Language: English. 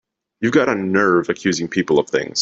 You've got a nerve accusing people of things!